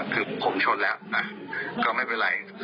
ผมชนแล้วก็ไม่เป็นไร